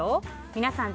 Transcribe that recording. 皆さん